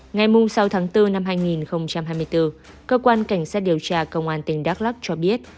ngày sáu tháng bốn năm hai nghìn hai mươi bốn cơ quan cảnh sát điều tra công an tỉnh đắk lắc cho biết